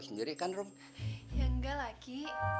sendiri kan rom ya enggak lagi